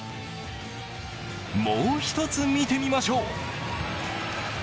もう１つ、見てみましょう。